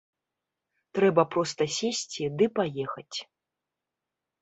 Трэба проста сесці ды паехаць.